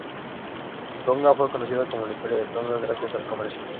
Tonga fue conocida como el Imperio de Tonga gracias al comercio.